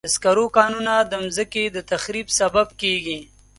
د سکرو کانونه د مځکې د تخریب سبب کېږي.